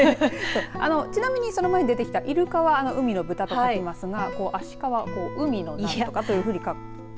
ちなみにその前に出てきたいるかは海の豚と書きますがアシカは海の何とかというふうに書く。